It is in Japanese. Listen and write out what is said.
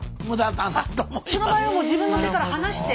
その場合はもう自分の手から離して。